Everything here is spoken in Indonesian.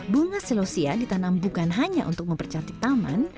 bunga selosia ditanam bukan hanya untuk mempercantik taman